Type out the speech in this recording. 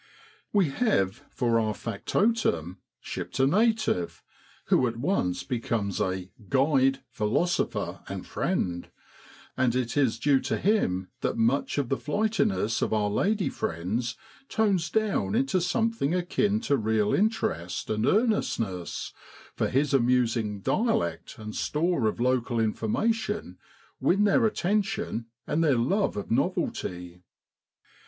We have, for our factotum, shipped a native, who at once becomes a ' guide, philosopher, and friend,' and it is due to him that much of the flightiness of our lady friends tones down into something akin to real interest and earnestness, for his amusing dialect and store of local information win their attention and their love of novelty.